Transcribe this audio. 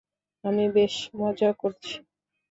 আমি বেশ মজা করছি!